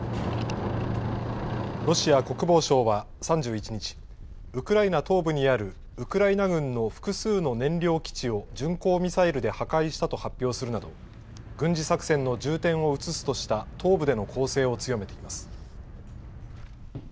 ロシア国防省は３１日、ウクライナ東部にあるウクライナ軍の複数の燃料基地を巡航ミサイルで破壊したと発表するなど、軍事作戦の重点を移すとした東部での攻勢を強めています。